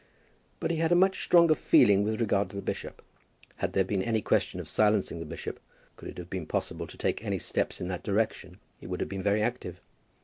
But he had a much stronger feeling with regard to the bishop. Had there been any question of silencing the bishop, could it have been possible to take any steps in that direction, he would have been very active.